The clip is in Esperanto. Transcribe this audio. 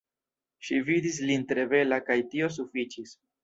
Ŝi vidis lin tre bela, kaj tio sufiĉis.